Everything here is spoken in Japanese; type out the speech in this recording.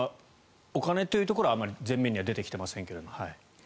お金というところはあまり前面には出てきていませんけども。